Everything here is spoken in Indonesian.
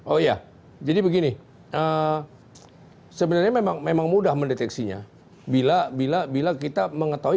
oh iya jadi begini sebenarnya memang mudah mendeteksinya bila bila bila kita mengetahui